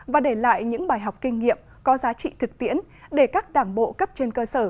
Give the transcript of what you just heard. và để lại những bài học kinh nghiệm có giá trị thực tiễn để các đảng bộ cấp trên cơ sở